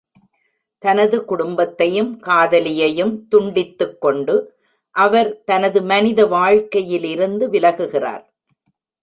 தனது குடும்பத்தையும் காதலியையும் துண்டித்துக்கொண்டு, அவர் தனது மனித வாழ்க்கையிலிருந்து விலகுகிறார்.